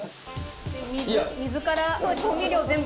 水から調味料全部。